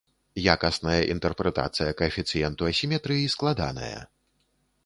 Якасная інтэрпрэтацыя каэфіцыенту асіметрыі складаная.